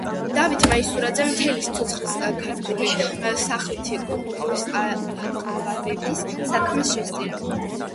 გიორგი მაისურაძემ მთელი სიცოცხლე ქართული სახვითი კულტურის აყვავების საქმეს შესწირა.